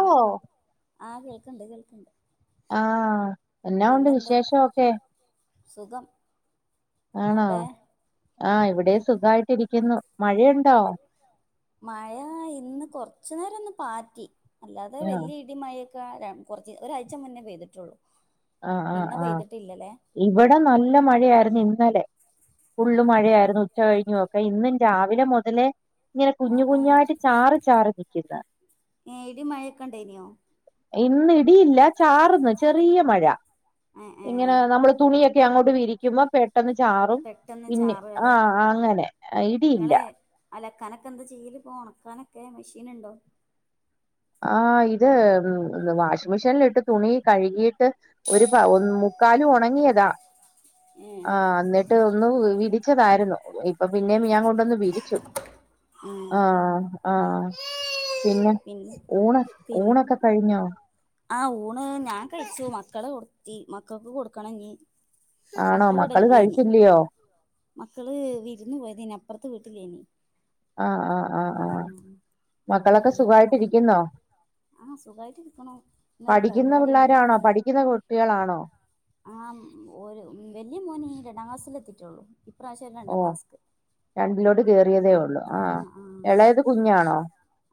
ഓ ആഹ് കേൾക്കണ്ട് കേൾക്കണ്ട്. ആഹ് എന്നാ ഉണ്ട് പിന്നെന്താ വിശേഷമൊക്കെ സുഖം ആണോ അവിടെ ആഹ് ഇവിടെ സുഖയിട്ടി രിക്കുന്നു മഴയുണ്ടോ? മഴ ഇന്ന് കൊറച്ചു നേരം ഒന്ന് പാറ്റി അല്ലാതെ ആഹ് വലിയ ഇടി മയക്കെ കൊർച്ച് ഒരാഴ്ച മുന്നെ പെയ്തിട്ടുള്ളൂ. ആഹ് ആഹ് പിന്നെ ആഹ് പെയ്തിട്ടില്ലല്ലേ ഇവിടെ നല്ല മഴയായിരുന്നു ഇന്നലെ ഫുള്ള് മഴയായിരുന്നു ഉച്ച കഴിഞ്ക്കെ ഇന്നും രാവിലെ മുതലേ ഇങ്ങനെ കുഞ്ഞ് ആഹ് ആഹ് കുഞ്ഞായിട്ട് ചാറ് ചാറി നിക്ക്ന്നേ ഏഹ് ഇടി മഴയൊക്കെണ്ടേയിനോ? ഇന്ന് ഇടിയില്ല ചാർന്ന് ചെറീയ മഴ ഏഹ് ഇങ്ങനെ ഏഹ് നമ്മള് തുണിയൊക്കെ ഒക്കെ അങ്ങോട്ട് വിരിക്കുമ്പോ പെട്ടെന്ന് ചാറും പെട്ടെന്ന് പിന്നെ ആ ചാറുകല്ലേ അങ്ങനെ ഇടിയില്ല നിങ്ങള് അലക്കാനൊക്കെ എന്താ ചെയ്യല് പോ ഉണക്കാനൊക്കെ മെഷീനുണ്ടോ? ആഹ് ഇത് വാഷിംമെഷീനിലിട്ട് തുണി കഴുകിയിട്ട് ഒരു പ ഒ മുക്കാലും ഉണങ്ങിയതാ ഏഹ് ആ എന്നിട്ട് ട്ട് ഒന്ന് വിരിച്ചതായിരുന്നു ഇപ്പൊ പിന്നേ ഞാൻ കൊണ്ടൊന്ന് വിരിച്ചു. ആഹ് ആഹ് പിന്നെ? പിന്ന ഊണ് പിൻ ഊണൊക്കെ കഴിഞ്ഞോ ആഹ് ഊണ് ഞാൻ കഴിച്ചു മക്കളെ ഉർത്തി മക്കൾക്ക് കൊടുക്കണെഞ്ഞി ആണോ മക്കള് ഇവ്ടല്ലേനി കഴിച്ചില്ലയോ മക്കള് വിരുന്ന് പോയതേനി അപ്പറത്തെ വീട്ടിലേനി. ആഹ് ആഹ് ആഹ് ആഹ് ഉം അവിടുന്ന് മക്കളൊക്കെ വന്നിട്ട് സുഖായിട്ട് വേണം രിക്കുന്നോ? ആഹ് സുഖായിട്ട് ഇരിക്കണു ഇന്നൊരു പഠിക്ന്ന പരിപാടിയുണ്ട് പിള്ളോരാണോ പഠിക്കുന്ന കുട്ടികളാണോ? ആഹ് ഒരു വലിയ മോന് രണ്ടാം ക്ലാസ്ൽ എത്തിയിട്ടുള്ളൂ ഇപ്രാവശ്യം ഓ രണ്ടാം ക്ലാസ്ക്ക് രണ്ടിലോട്ട് കേറിയതേ ഉള്ളോ? അഹ് ആഹ്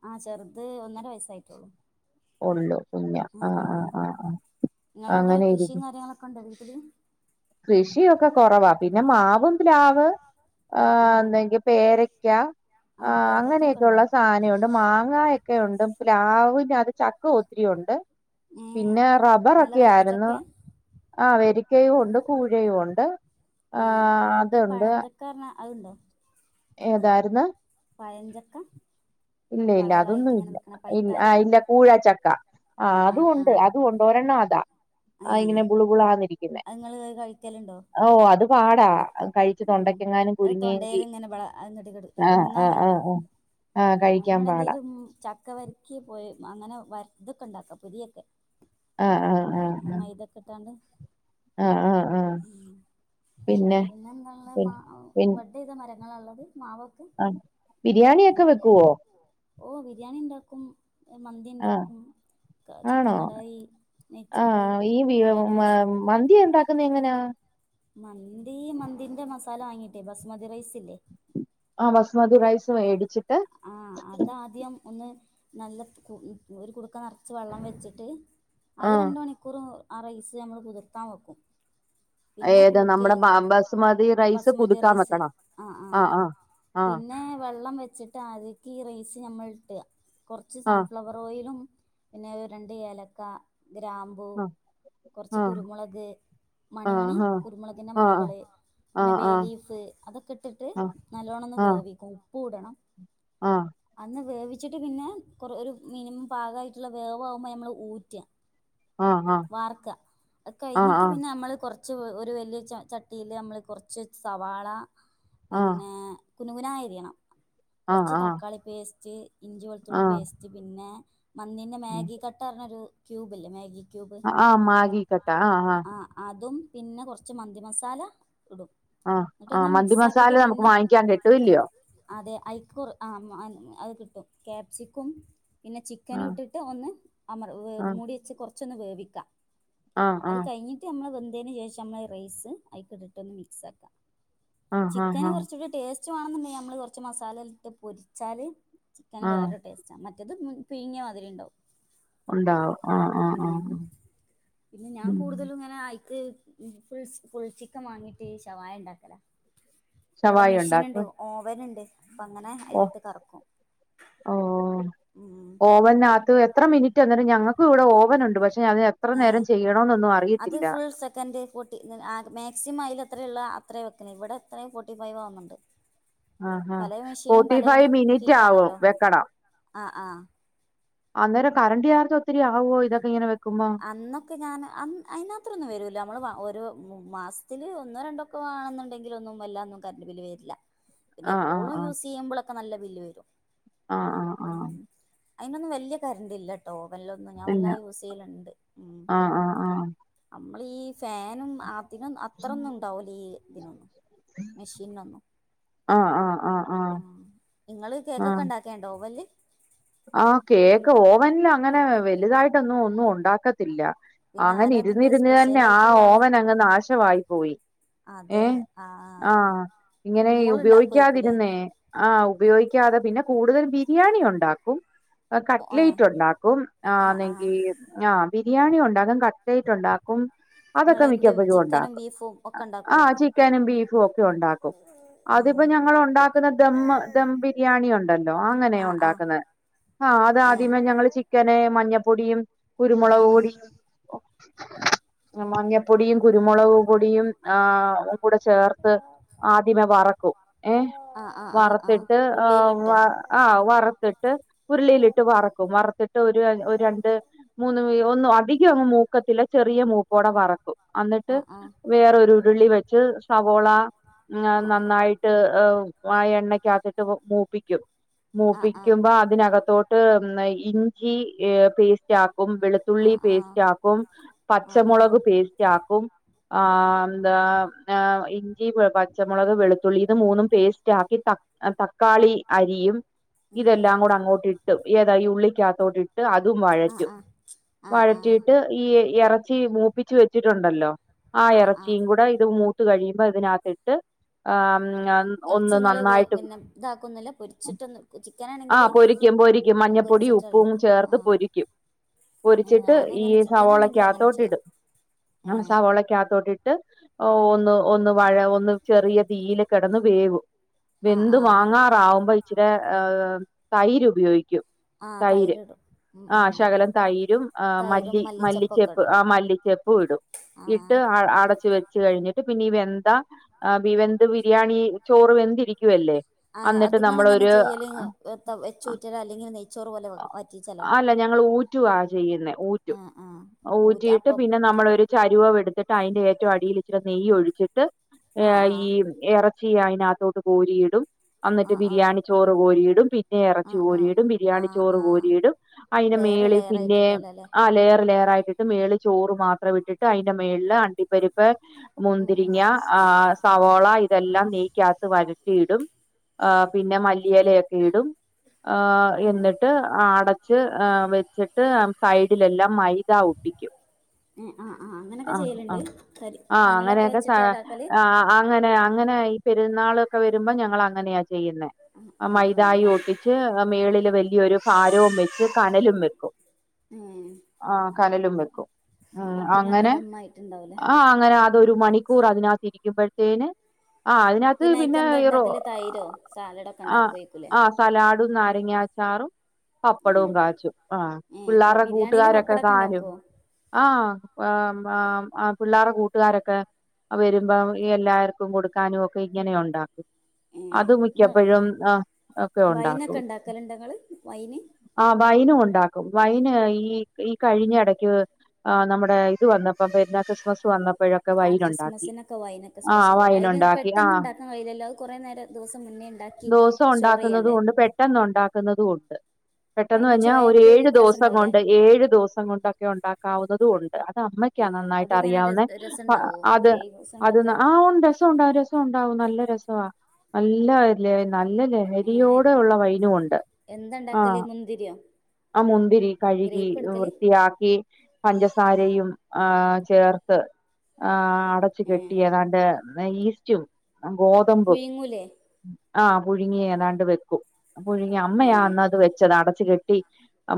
ആഹ് ചെർത് ഒന്നര വയസ്സായിറ്റൊള്ളൂ ഒള്ളൂ കുഞ്ഞാ ആഹ് ആഹ് ആഹ് ആഹ് നിങ്ങളവിടെ കൃഷിയും അങ്ങനെയിരിക്കും കാര്യങ്ങളൊക്കെ ഉണ്ടോ വീട്ടില് കൃഷിയൊക്കെ കൊറവാ പിന്നെ മാവും പ്ലാവ് ആഹ് ഒന്നെങ്കി പേരക്ക ആഹ് പേരക്കൊക്കെ അങ്ങനെയൊക്കെ ഉള്ള ഉണ്ടോ സാനെ ണ്ട് മാങ്ങായൊക്കെയുണ്ട് പിലാവിന്റകത്ത് ചക്ക ഒത്തിരിയുണ്ട് ഉം പിന്നെ റബ്ബറ് നല്ല ഒക്കെയാരുന്നു വരിക്കച്ചക്കെ ആഹ് വെരിക്കയും ഒണ്ട് കൂഴയും ഒണ്ട് ആഹ് അതൊണ്ട് ഇത്തവണ ആയില്ലേ? ഏതാരുന്നു- പയഞ്ചക്ക ഇല്ല ഇല്ല അതൊന്നും ഇല്ല ഇല്ല പൈത്താല് ആഹ് ഇല്ല കൂഴ ചക്ക ആഹ് അതും ഒണ്ട് അതും ഒണ്ട് ഒരെണ്ണം അതാ ആഹ് ഏഹ് ഇങ്ങനെ ബുള്ബുളാന്നിരിക്കുന്നേ അത് ഇങ്ങള് കഴിക്കലുണ്ടോ ഓഹ് അത് പാടാ. അഹ് കഴിച്ചു തൊണ്ടയ്ക്കെങ്ങാനും കുരുങ്ങിയെങ്കി- [unintelligible] ആഹ് മുണ്ങ്ങാൻ ആഹ് കയിയില്ല. ആഹ് ആഹ് ആഹ് കഴിക്കാൻ അയ്നോട് പാടാ എന്തേലും ച ക്ക വരട്ടിപോലെ അങ്ങനെ വരട്ടിതൊക്കെ ണ്ടാക്കാ പുതിയൊക്കെ- ആഹ് ആഹ് ആഹ് ആഹ് [unintelligible] ആഹ് ആഹ് ആഹ് പിന്നെ എന്തള്ള് പി മാവ് ബഡ്ഡെയ്ത മരങ്ങളാള്ളത് മാവൊക്കെ അഹ് ബിരിയാണിയൊക്കെ വെക്കുവോ ഓഹ് ബിരിയാണിണ്ടാക്കും ആഹ് മന്തിണ്ടാക്കും ആണോ ആഹ് ഈ ബി ഫ്രൈഡ് മ റൈസ് മന്തി ഉണ്ടാക്കുന്നെ എങ്ങനാ മന്തീ മന്തിന്റെ മസാല വാങ്ങീട്ടേ ബസ്മതി റൈസ് ഇല്ലേ ആഹ് ബസ്മതി റൈസ് വേടിച്ചിട്ട് ആഹ് അതാദ്യം ഒന്ന് നല്ല കു ഒരു കുടുക്ക നറച്ച് വെള്ളം വെച്ച്ട്ട് ആദ്യം ആഹ് രണ്ട് മണിക്കൂറ് ആ റൈസ് ഞമ്മള് കുതിർത്താം വെക്കും പിന്നെ ഏത് കുടുക്കേ നമ്മുടെ ബ ബസുമതി റൈസ് ബസ്മതി കുതിക്കാൻ റൈസ് വെക്കണം ആഹ് ആഹ് ആഹ് പിന്നെ വെള്ളം വെച്ച്ട്ട് ആദ്യക്ക് ഈ റൈസ് ഞമ്മൾട്ട് കൊറച്ച് സൺഫ്ലവർ ഓയിലും പിന്നെ ഒര് രണ്ട് ഏലക്ക ഗ്രാ മ്പു ആഹ് കൊറച്ച് ആഹ് കുരുമുളക് മണിമണി ആഹ് കുരുമുളകിന്റെ ആഹ് മണികള് ആഹ് പിന്നെ ബേ ആഹ് ലീഫ് അതൊക്കെ ഇട്ട്ട്ട് നല്ലോണം ഒന്ന് ആഹ് വേവിക്കും ഉപ്പൂടണം ആഹ് അന്ന് വേവിച്ചിട്ട് പിന്നെ കുറെ ഒരു മിനിമം പാകായിട്ടുള്ള വേവാവുമ്പോ ഞമ്മള് ഊറ്റ [inaudible] വാർക്ക അഹ് ആഹ് കയിഞ്ഞിട്ട് പിന്നെ യമ്മള് കൊറ ച്ച് ഒരു വല്യ ച ചട്ടീല് യമ്മള് കൊറച്ച് സവാള ആഹ് പിന്നെ കുനുകുനാ അരിയണം. ആഹ് ആഹ് കൊറച്ച് ആഹ് തക്കാളി പേസ്റ്റ് ഇഞ്ചി ആഹ് വെളുത്തുള്ളി ആഹ് പേസ്റ്റ് പിന്നെ മന്തിന്റെ ആഹ് മാഗി കട്ടാർഞ്ഞൊരു ക്യൂബില്ലേ മാഗി ക്യൂബ് ആഹ് മാഗി കട്ട ആഹ് അതും പിന്നെ കൊറച്ച് മന്തി മസാല ഇടും ആഹ് ആഹ് എന്നിട്ടൊന്ന് മന്തി മിക്സ് മസാല ആക്കിയിട്ട് നമുക്ക് പിന്നെ വാങ്ങിക്കാൻ കിട്ടും ഇല്ലിയോ അതെ ഐക്ക്‌ ആഹ് അഹ് കിട്ടും ക്യാപ്സിക്കും പിന്നെ ചിക്കനും ആഹ് ഇട്ടിട്ട് ഒന്ന് അമർ ആഹ് മൂടി വെച്ച് കുറച്ചൊന്ന് വേവിക്കാം ആഹ് അത് ആഹ് കഴിഞ്ഞിട്ട് നമ്മള് വെന്തേന ശേഷം അമ്മള് റൈസ് അയിക്ക് ഇട്ടിട്ടൊന്ന് മിക്സ് ആക്കാ ആഹ് ആഹ് ചിക്കന് ആഹ് കുറച്ച് കൂടി ടേസ്റ്റ് വേണെന്നുണ്ടെങ്കി അമ്മള് കുറച്ച് മസാലയിലിട്ട് പൊരിച്ചാല് ചിക്കന് ആഹ് വേറൊരു ടേസ്റ്റ മറ്റേത് പിഴ്ങ്ങിയ മാതിരിണ്ടാവും ഉണ്ടാവും ആഹ് ആഹ് ഉം ആഹ് പിന്നെ ഞാൻ ഉം കൂടുതലും ഇങ്ങനെ ആയി ക്ക് ഫുൾസ് ഫുൾച്ചിക്കൻ വാങ്ങിയിട്ട് ശവായണ്ടാക്കലാ ഇവടെ ശവായി മെഷീൻ ഉണ്ടാക്കും ഓവന്ണ്ട് അപ്പ അങ്ങനെ ഓഹ് അയിലിട്ട് കറക്കും ഉം അപ്പ അതിനാത്ത് എത്ര മിനിറ്റ് അന്നേരം ഞങ്ങക്കു ഇവിടെ ഓവൻ ഉണ്ട് പക്ഷെ അതിനെത്ര ഏ നേരം ചെയ്യണോന്നൊന്നും അർ അത് ഫുൾ സെക്കൻഡ് ഫോ ട്ടി ഇന്നലെ ആ മാക്സിമം അയിലത്രേയുള്ള അത്രയും വെക്കല് ഇവിടത്രയും ഫോർട്ടി ഫൈവ് ആവുന്നുണ്ട് ആഹ് ആഹ് പലേ മെഷീനിലും ഫോർട്ടി പലകം ഫൈവ് മിനിറ്റ് ആവും ഹീറ്റാണല്ലോ വെക്കണം ആഹ് ആഹ് അന്നേരം കറണ്ട് ചാർജൊത്തിരി ആവുവോ ഇതൊക്കെയിങ്ങനെ വെക്കുമ്പം അന്നൊക്കെ ഞാൻ അന്ന് അയിനാത്രൊന്ന് വരൂല്ലാ നമ്മള് വ ഓരോ മ മാസത്തില് ഒന്നോ രണ്ടോ ക്കുവാണെന്നുണ്ടെങ്കിലൊന്നും വല്ലാ ഒന്നും കറണ്ട് ബില്ല് വരില്ലാ പിന്നെ ആഹ് ആഹ് എപ്പോളും ആഹ് യൂസ് ചെയ്യുമ്പളക്കെ നല്ല ബില്ല് വരും ആഹ് ആഹ് ആഹ് ഉം അയിനൊന്ന് വലിയ കരണ്ടില്ലട്ടോ ഓവനലൊന്നും ഞാൻ വല്ലാ പിന്നെ യൂസ് ചെയ്യല്ൺ ഉം ആഹ് ആഹ് ആഹ് നമ്മൾ ഈ ഫാനും അതിനും അത്രൊന്നും ട്ടോലീ ഇതിനൊന്നും മെഷീനൊന്നും ആഹ് ആഹ് ആഹ് ആഹ് നിങ്ങള് കേക്കൊക്കെ ആഹ് ഉണ്ടാ ക്കാണ്ടോവല് ആഹ് കേക്ക് ഓവനില് അങ്ങനെ വലുതായിട്ടൊന്നും ഒന്നും ഒണ്ടാക്കത്തില്ല പിന്നെ അങ്ങനെ ആരാ അതിന്റെ ഇരുന്നിരുന്ന് തന്നെ സ്പെഷ്യൽ ആഹ് ആയിട്ടുള്ള ആള് ഓവൻ അങ്ങ് നാശവായി പോയി ഏഹ് ആഹ് ഇങ്ങനെ ഈ മോളുണ്ടാക്കുവായിക്കൂലേ ഉപയോഗിക്കാതിരുന്നേ ആഹ് ഉപയോഗിക്കാതെ പിന്നെ കൂടുതൽ ബിരിയാണി ഉണ്ടാക്കും അഹ് ഏഹ് കട്ട്ലേയ്റ്റ് ഉണ്ടാക്കും ആഹ് ആഹ് ആന്നെങ്കി ഞാ ബിരിയാണി ഉണ്ടാക്കും കട്ട്ലേയ്റ്റ് ഉണ്ടാക്കും അതൊക്കെ ഇങ്ങളെന്ത് മിക്കപ്പോഴും ചിക്കനും ഉണ്ടാക്കും ബീഫും ഒക്കെ ണ്ടാക്കോ ആഹ് ചിക്കനും ബീഫും ഒക്കെ ഒണ്ടാക്കും അതിപ്പോ ഏഹ് ഞങ്ങള് ഒണ്ടാക്കുന്ന ദം ദം ബിരിയാണിയൊ ഉണ്ടല്ലോ ആങ്ങനെയാ ആഹ് ആഹ് ഒണ്ടാക്കുന്നെ ആഹ് ഏഹ് അതാദ്യമേ ഞങ്ങള് ചിക്കന് മഞ്ഞപ്പൊടിയും ആഹ് കുരുമൊളക് ആഹ് പൊടി [unintelligible] മഞ്ഞപ്പൊടിയും കുരുമൊളക് പൊടിയും ആഹ് കൂടെ ചേർത്ത് ആദ്യമേ വറക്കും ഏഹ് ആഹ് ആഹ് ആഹ് ആഹ് വറുത്തിട്ട് ഏഹ് വ ഉള്ളിയിലിട്ടോ ആഹ് വറുത്തിട്ട് ഉരുളിയിലിട്ട് വറക്കും വറുത്തിട്ട് ഒരു ഒര് ഒരണ്ട് മൂന്ന് വീ ഒന്നും അധികം അങ്ങ് മൂക്കത്തിലാ ചെറിയ മൂപ്പോടെ വറക്കും അന്നിട്ട് ആഹ് ആഹ് വേറൊരു ഉരുളി വെച്ച് സവോള ങ് ആഹ് നന്നായിട്ട് ട്ട് ഏ ആ എണ്ണക്കാത്തിട്ട് മൂപ്പിക്കും ആഹ് ആഹ് മൂപ്പിക്കുമ്പാ അ അതിനകത്തോട്ട് നെയ് ഇഞ്ചി ഏഹ് പേസ്റ്റാ ക്കും വെളുത്തുള്ളി ആഹ് ആഹ് ആഹ് പേസ്റ്റാക്കും ആഹ് പച്ചമൊളക് ആഹ് പേസ്റ്റ് ആക്കും ആ ആഹ് ദാമ് ഏ ഇഞ്ചി പച്ചമൊളക് വെളുത്തുള്ളി ഇത് മൂന്നും പേസ്റ്റ് ആക്കി തക് അ തക്കാളി അരിയും ഉം ഉം ഇതെല്ലാം കൂടെ അങ്ങോട്ട് ഇട്ട് ഏതാ ഈ ഉള്ളിക്കാത്തോട്ട് ഇ ട്ട് അതും ആഹ് വഴറ്റും ആഹ് ആഹ് ആഹ് വഴറ്റിയിട്ട് ഈ എറച്ചി മൂപ്പിച്ച് വെച്ചിട്ടുണ്ടല്ലോ ആഹ് എറച്ചിയും കൂടെ ഇത് മൂ ത്ത് കഴിയുമ്പോ ഇതിനാത്തിട്ട് ആഹ് എറച്ചി നിങ്ങള് വേ പിന്നെ ഇതാക്കുന്നില്ല പൊരിച്ചിട്ടൊന്ന് കു ചിക്കനാണെങ്കില് ക്കും പൊരിക്കും മഞ്ഞപ്പൊടി ഉപ്പും പൊരിച്ചിട്ടല്ലേ ചേർത്ത് ആഹ് പൊരിക്കും പൊരിച്ചിട്ട് ഈ ഞാനങ്ങനെ ചിക്കനാണെങ്കിൽ അങ്ങനെ സവോളക്കാത്തോട്ട് ചെയ്യാം ഇടും ഏ ആഹ് സവോളക്കാത്തോട്ടിട്ട് ഓ ഒന്ന് ഒന്ന് വഴ ഒന്ന് ചെറിയ തീയില് കെടന്ന് വേവും ആഹ് വെന്ത് ആഹ് വാങ്ങാ ആവുമ്പോ ഇച്ചിരേ ഏഹ് തൈര് ഉപയോഗിക്കും ആഹ് തൈര് തൈരിടും ഉം ആഹ് ഉം ശകലം തൈരും ആഹ് തൈരും മല്ലി മല്ലിച്ചപ്പൊക്കെ മല്ലിച്ചെപ്പ് ഇടുല്ലേ ആഹ് മല്ലിച്ചെ പ്പു ഇടും ആഹ് ഇട്ട് അ അടച്ചു വെച്ച് കഴിഞ്ഞിട്ട് പിന്നെ ഈ വെന്ത ആഹ് ബിവെന്ത് ബിരിയാണി ചോറ് വെന്തിരിക്കുവല്ലേ ആഹ് അത് അന്നിട്ട് നിങ്ങളെങ്ങനെ നമ്മളൊരു ചെയ്യല് ത- അഹ് വെച്ചൂറ്റലോ അല്ലെങ്കിൽ നെയ്ച്ചോറ് പോലെ വ- ഓ വറ്റിച്ചലോ അല്ല ഞങ്ങള് ഊറ്റുവാ ചെയ്യുന്നേ ആഹ് ആഹ് ഊറ്റ ഊറ്റിയിട്ട് അപ്പം പിന്നെ നമ്മളൊരു ചരുവ എടുത്തിട്ട് അതിന്റെ ഏറ്റവും അടിയിൽ ഇച്ചി നെയ്യ് ഒഴിച്ചിട്ട് ആഹ് ഈ ആഹ് ഇറച്ചി അതിനകത്തോട്ട് കോരിയിടും എന്നിട്ട് ആഹ് ആഹ് ബിരിയാണി ചോറ് കോരിടും പിന്നെ ആഹ് ആഹ് ചോരിടും ബിരിയാണി ആഹ് ചോറ് ആഹ് കോരിയിടും അതിനന് ലെയറ് മേളിൽ ലെയറായിട്ട് പിന്നെ ഇടലല്ലേ ആ ലെയർ ലേർ ആയിട്ടി മേള് ചോറ് മാത്രം ഇട്ടിട്ട് അതിന്റെ മേളില് അണ്ടിപ്പരിപ്പ് ഉം ഉം മുന്തിരിങ്ങ ആ സവോള ഇതെല്ലാം നെയക്കകത്ത് വരറ്റിയിടും ആ പിന്നെ മല്ലിലൊക്കെ ഇടും. ഹ് ഉം ഉം എന്നിട്ട് അടച്ച് വെച്ചിട്ട് സൈഡിലെല്ലാം മൈ ദ ഒട്ടികും. ഉം ആഹ് ആഹ് അങ്ങനൊക്കെ ആഹ ആ ചെയ്യലുണ്ട് കരി ആഹ കനലൊക്കെ അങ്ങനെയൊക്കെ വെച്ചിട്ടാ ഇതാക്കല് അങ്ങനെ അങ്ങനെ പെരുന്നാൾൊക്കെ വരുമ്പോ ഞങ്ങ അങ്ങനെയാ ചെയ്യുന്ന ആഹ് ആഹ് മൈതായി ആഹ് വച്ച് മേളില് വലിയൊരു ഭാരവും വെച്ച് കനലും വെക്കും ഏഹ് ആ കലലും വെക്കും അപ്പൊ നല്ല അങ്ങനെ ദമ്മായിട്ടുണ്ടാവൂലേ ആ അങ്ങനെ അത് ഒരു മണിക്കൂർ അതിനകാതിരിക്കുമ്പോഴത്തേന് ആ അതിനകത്ത് അയിക്ക് പിന്നെ എന്താ റോ ഉണ്ടാക്കല് തൈരോ സാലഡൊക്കെ ആ ഉണ്ടാക്കുവായിരിക്കൂലേ ആ ലാഡും നാരങ്ങാച്ചാറും പപ്പടവും ഏഹ് കാച്ചും ആഹ് ഏഹ് പിള്ളേരുടെ ബിരിയാണിയില് കൂട്ടുകാരൊക്കെ പപ്പടൊക്കെ കാനും. ഉണ്ടാക്കുവോ ആഹ ആആആ പിള്ളേരുടെ കൂട്ടുകാരൊക്കെ വരുമ്പോ എല്ലാവർക്കും കൊടുക്കാനും ഒക്കെ ഇങ്ങനെ ഉണ്ടാക്കും ഏഹ് അത് ഇങ്ങ മിക്കപ്പോഴും ആ വൈനൊക്കെ ഉണ്ടാക്കലുണ്ടങ്ങള് വൈന് ആ വൈനും ഉണ്ടാക്കും വൈന് ഈ ഈ കഴിഞ്ഞ ഇടയ്ക്ക് ആ നമ്മ ഇത് വന്നപ്പോ പെരന്ന ക്രിസ്മസ് വന്നപ്പോഴൊ ആ ക്രിസ്മസിനൊക്കെ വൈന് നൊക്കെ സ്പെഷ്യലായി വൈൻ അയിന് ഉണ്ടാക്കി പെട്ടന്ന് ആഹ് ഉണ്ടാക്കാൻ കഴയില്ലല്ലോ അത് കുറെേ നേരം ദിവസം മുന്നേ ഉണ്ടാക്കി ദസം സ്റ്റോർ ഉണ്ടാക്കുന്നതും ചെയ്യണ്ടേ ഉണ്ട് പെട്ടെന്ന് ഉണ്ടാക്കുന്നതും ഉണ്ട് പെട്ടെന്ന് അതിന് കിഞ്ഞാ ഒരു ചൊയക്ക് ഏഴ് വ്യത്യാസം ദിവസം ഉണ്ടാവൂലേ കൊണ്ട് ഏഴ് ദിവസം കൊണ്ടൊക്കെ ഉണ്ടാക്കാവുന്നതും ഉണ്ട് അമ്മയ്ക്കാ ഏഹ് നന്നായിട്ട് അതെങ്ങനെ അറിയാവുന്ന ര രസണ്ടാവോ അത് ഏഴ് അത് ദിവസണ്ടൊക്കെ ആ ഉണ്ട് രസം ഉണ്ടാവും രസം ഉണ്ടാവും നല്ല രസവാ നല്ലല്ലേ നല്ലല്ലേ ഏഹ് നരിയോട് ഉള്ള വൈനുംണ്ട് എന്താണ്ടാക്കല് ആഹ് മുന്തിരിയോ ആ മുന്തിരി കഴുകി ഗ്രേപ്പ് എടുക്കല് വൃത്തിയാക്കി. പഞ്ചസാരയും ആ ചേർത്ത് ആ അടച്ചു ഏഹ് കെട്ടി അഏതാണ്ട് ഈസ്റ്റും ഗോതമ്പും പുഴുങ്ങൂലേ ആഹ പുഴുങ്ങിയേതാണ്ട് വെക്കും. പുഴുങ്ങി അമ്മയാ ഉം അന്നത് വെച്ചത് അടച്ച് കെട്ടി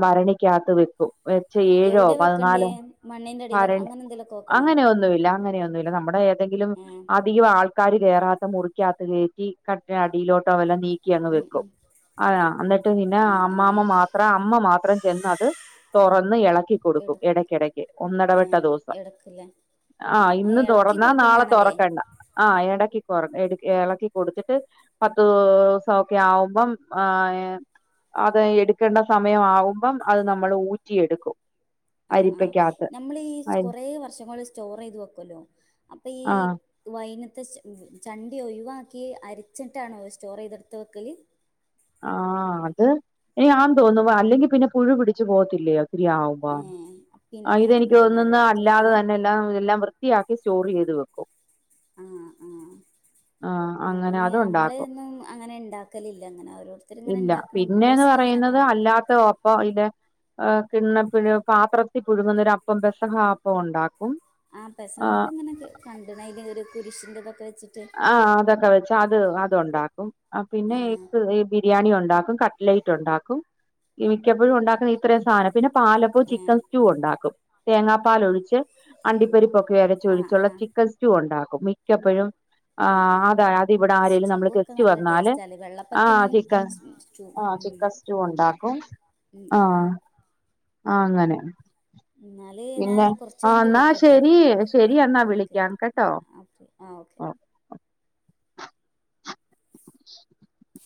ഭരണിക്കകത്ത് വെക്കും. വച്ച ഏഴോ എവിടെ വെക്കണ്ടേ പതിനാലോ മണ്ണിന്റെ അടിയിലോ ഭരണി അങ്ങനെ എന്തെലുമൊക്കെ വെക്കണോ അങ്ങനെയൊന്നുമല്ല അങ്ങനെയൊന്നുമല്ല നമ്മുടെ ഏതെങ്കിലും. ഉം അധികം ആൾക്കാർ കേയറാത്ത മുറിക്കാത്ത കയറ്റി കട്ടിനടിയിലോട്ടോ വല്ലാം നീക്കി ങ്ങ് ഉം വെക്കും ഉം ആ എന്നിട്ട് പിന്നെ ആഹ് ആഹ് അമ്മമ്മ അത്ര അമ്മ മാത്രം ചെന്ന് അത് തുറന്ന് ഇളക്കി കൊടുക്കും എടു ഇടക്കിടയ്ക്ക് ഒന്നടവിട്ട ഏഹ് ദിവസം എടുക്കില്ലേ ആഹ് ഇന്ന് ഇളക്കി തുറന്നാ കൊടുക്കും നാളെ വേണല്ലേ തുറക്കണ്ട. ആഹ് ഇടക്കിറ ഇളക്കി കൊടുക്കും കൊടുത്തിട്ട് പത്ത് ഓക്കെ ആവുമ്പം ആഹ് അത് എടുക്കേണ്ട സമയമാവുമ്പം അത് നമ്മൾ ഊറ്റിയെടുക്കും. ആ ആഹ് അരിപ്പക്കകത്ത് നമ്മൾ ഈ അരി കൊറേ വർഷം സ്റ്റോർ ചെയ്ത് വെക്കല്ലോ അപ്പൊ ഈ ആഹ് വൈനത്തെ ചണ്ടി ഒഴിവാക്കി അരച്ചിട്ടാണോ സ്റ്റോർ ചെയ്തെടുത്ത വെക്കൽ ആഹ് അത് ഇനി ആൻ തോന്നു അല്ലെങ്കിൽ പിന്നെ പുഴു പിടിച്ച് പോത്തില്ലയോ ഒത്തിരിയാവും ഏഹ് പിന്നെ ഇതെനിക്ക് ആയിരിക്കൂല്ലേ എന്നാല് തോന്നും എടുത്ത് അല്ലാതെ വെക്കല് തന്നെ എല്ലാം വൃത്തിയാക്കി സ്റ്റോർ ചെയ്ത് വെക്കും. ആഹ് ആഹ് അങ്ങനെ ആ നമ്മളെ അതുണ്ടാക്കും ഒന്നും അങ്ങനെ ഉണ്ടാക്കലില്ല അങ്ങനെ ഒരു ഇല്ല പിന്നെന്ന് പറയുന്നത് അല്ലാത്ത അപ്പ അതിൽ കിണ്ണഴ പാത്രത്തിൽ പുഴുങ്ങുന്നൊര അപ്പം കഷ്ണം ഹാപ്പം ഉണ്ടാക്കും. ആ പെസാപ്പ് ആഹ് അങ്ങനൊക്കെ കണ്ട അതി ഒരു കുരുഷിൻ തൊക്കെ വെച്ചിട്ട് ആഹ് അതൊക്കെ വെച്ചു പ അത് അത്ണ്ടാക്കും പിന്നെ ഏഹ് ക്ക് ബിരിയാണി ഉണ്ടാക്കും കട്ലൈറ്റ് ഉണ്ടാക്കും മിക്കപ്പോഴും ഉണ്ടാക്കുന്ന ഇത്രയും സാധന പിന്നെ പാലപ്പോ ഏഹ് ചിക്കൻ സ്റ്റൂ ഉണ്ടാക്കും തേങ്ങാ പാല് ഒഴിച്ച് അണ്ടിപ്പരിപ്പൊ ആഹ് രച്ചൊഴിച്ചുള്ള ആഹ് ചിക്കൻ സ്റ്റൂ ഉണ്ടാക്കും മിക്കപ്പോഴും ആഹ് ആഹ് അത് ഇവിടെ ആരെലും സ്റ്റൂ നമ്മള് ഒക്കെ ഗെസ്റ്റ് നല്ല വന്നാല് ടേസ്റ്റാല്ലേ ആ വെള്ളപ്പത്തിനും ചിക്ക സ്റ്റൂ ആ ഉം ചിക്ക സ്റ്റൂ ഉണ്ടാകും ക്കും ഉം ഉം ആഹ് അങ്ങനെ എന്നാല് ഞാൻ പിന്നെ കുറച്ച് ആ കഴിഞ്ഞിട്ട് എന്നാ വിളിക്കട്ടോ ശരി ശെരി എന്നാ ഓക്കെ ഓക്കെ വിളിക്കാം കേട്ടോ ആ ഓക്കെ ആ ഓക്കെ [inaudible] [inaudible]